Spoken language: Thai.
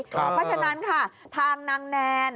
เพราะฉะนั้นค่ะทางนางแนน